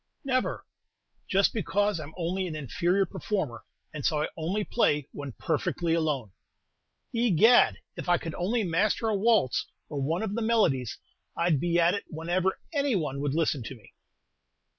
"Never." "Just because I'm only an inferior performer, and so I only play when perfectly alone." "Egad, if I could only master a waltz, or one of the melodies, I'd be at it whenever any one would listen to me."